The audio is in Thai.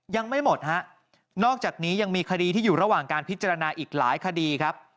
ยังไม่หมดฮะนอกจากนี้ยังมีคดีที่อยู่ระหว่างการพิจารณาอีกหลายคดีครับ